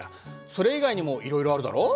それ以外にもいろいろあるだろう？